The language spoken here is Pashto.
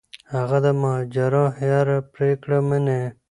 هغه د مهاراجا هره پریکړه مني.